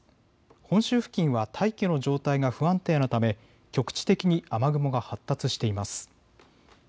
本州付近は大気の状態が不安定なため局地的に雨雲が発達しています。